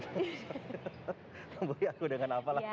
tamburi aku dengan apalah